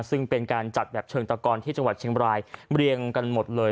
ซึ่งเป็นการจัดแบบเชิงตะกอนที่จังหวัดเชียงบรายเรียงกันหมดเลย